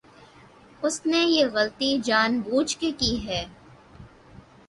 اس نے یہ غلطی جان بوجھ کے کی ہے۔